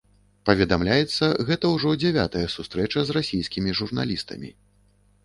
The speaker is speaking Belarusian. Паведамляецца, гэта ўжо дзявятая сустрэча з расійскімі журналістамі.